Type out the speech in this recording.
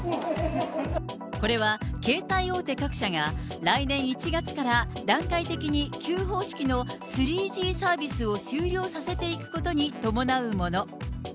これは携帯大手各社が、来年１月から段階的に旧方式の３Ｇサービスを終了させていくことに伴うもの。